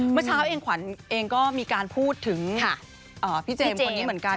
เมื่อเช้าเองขวัญเองก็มีการพูดถึงพี่เจมส์คนนี้เหมือนกัน